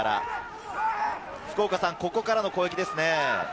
ここからの攻撃ですよね。